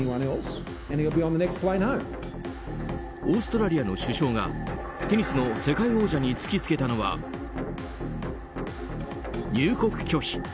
オーストラリアの首相がテニスの世界王者に突き付けたのは入国拒否。